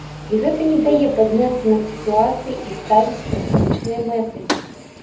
І гэта не дае падняцца над сітуацыяй і ставіць стратэгічныя мэты.